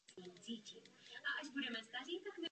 Budeme nicméně za tato spravedlivá opatření dál intervenovat.